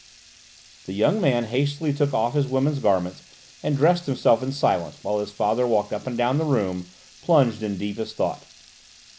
The young man hastily took off his woman's garments and dressed himself in silence, while his father walked up and down the room, plunged in deepest thought.